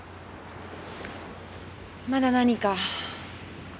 まだ何か？